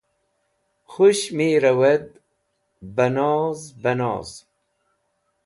Khush mi rawad beh noz beh noz